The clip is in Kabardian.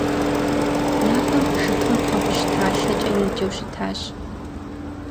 Япэм жыпым бгъэгущталъэкӏэ еджэу щытащ.